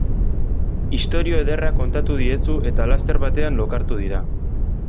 Istorio ederra kontatu diezu eta laster batean lokartu dira.